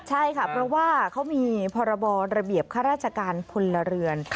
ใช่ค่ะเพราะว่าเขามีพรบระเบียบข้าราชการพลเรือน